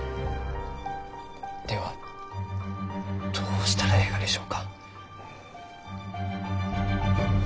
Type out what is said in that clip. ではどうしたらえいがでしょうか？